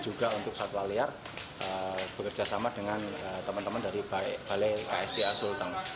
juga untuk satwa liar bekerjasama dengan teman teman dari balai ksda sulteng